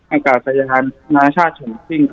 อากาศพยานธนชาติฉ่นติ้ง